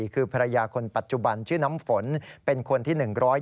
คือภรรยาคนปัจจุบันชื่อน้ำฝนเป็นคนที่๑๔